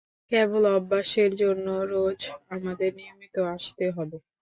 কেবল অভ্যাসের জন্য রোজ আপনাকে নিয়মিত আসতে হবে।